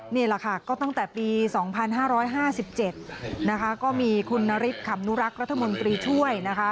นี่แหละค่ะก็ตั้งแต่ปี๒๕๕๗นะคะก็มีคุณนฤทธำนุรักษ์รัฐมนตรีช่วยนะคะ